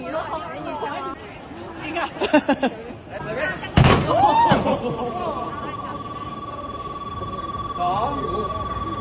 รับทราบ